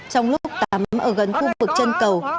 trong lúc tắm ở gần khu vực chân cầu